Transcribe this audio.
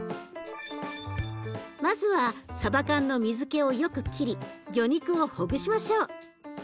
まずはさば缶の水けをよく切り魚肉をほぐしましょう。